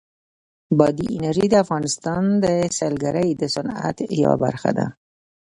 بادي انرژي د افغانستان د سیلګرۍ د صنعت یوه برخه ده.